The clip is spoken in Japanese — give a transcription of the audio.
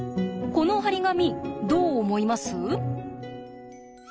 この貼り紙どう思います？